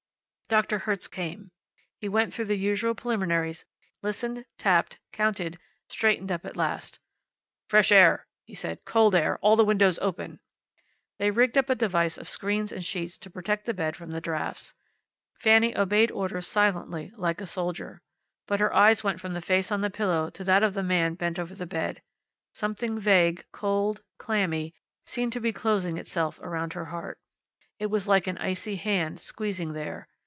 Doctor Hertz came. He went through the usual preliminaries, listened, tapped, counted, straightened up at last. "Fresh air," he said. "Cold air. All the windows open." They rigged up a device of screens and sheets to protect the bed from the drafts. Fanny obeyed orders silently, like a soldier. But her eyes went from the face on the pillow to that of the man bent over the bed. Something vague, cold, clammy, seemed to be closing itself around her heart. It was like an icy hand, squeezing there.